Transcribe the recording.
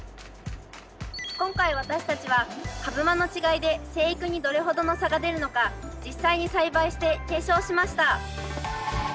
今回私たちは株間の違いで生育にどれほどの差が出るのか実際に栽培して検証しました。